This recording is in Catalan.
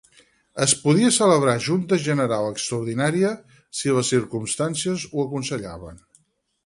Es podia celebrar Junta General extraordinària si les circumstàncies ho aconsellaven.